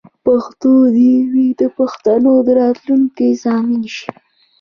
پښتو دې د پښتنو د راتلونکې ضامن شي.